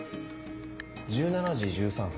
１７時１３分